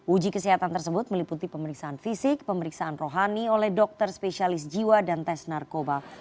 uji kesehatan tersebut meliputi pemeriksaan fisik pemeriksaan rohani oleh dokter spesialis jiwa dan tes narkoba